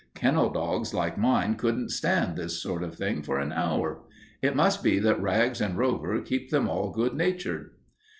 Kennel dogs like mine couldn't stand this sort of thing for an hour. It must be that Rags and Rover keep them all good natured."